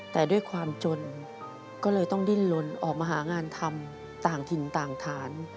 แต่ด้วยความจนก็เลยต้องดิ้นลนออกมาหางานทำต่างถิ่นต่างฐาน